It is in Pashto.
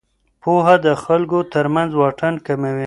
پوهه د خلکو ترمنځ واټن کموي.